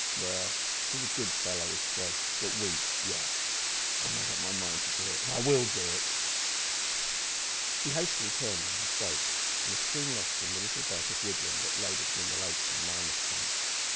Well, he's a good fellow is Fred, but weak. Yes, I've made up my mind to do it and I will do it." He turned hastily as he spoke, and was soon lost in the little belt of woodland that lay between the lake and the miner's camp.